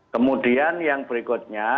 kemudian yang berikutnya